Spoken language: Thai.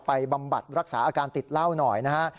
บำบัดรักษาอาการติดเหล้าหน่อยนะฮะ